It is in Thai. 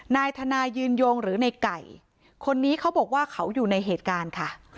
นายธนายืนยงหรือในไก่คนนี้เขาบอกว่าเขาอยู่ในเหตุการณ์ค่ะ